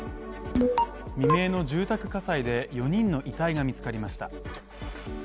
未明の住宅火災で、４人の遺体が見つかりました。